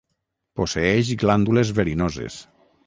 Posseeix glàndules verinoses.